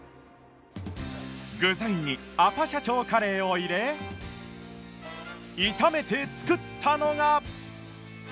具材にアパ社長カレーを入れ炒めて作ったのが